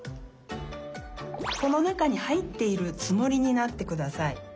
このなかにはいっているつもりになってください。